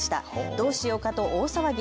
どうしようかと大騒ぎ。